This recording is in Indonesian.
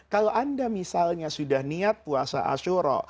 kalau anda misalnya sudah niat puasa ashura